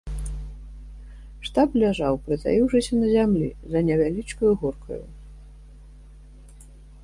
Штаб ляжаў, прытаіўшыся на зямлі, за невялічкаю горкаю.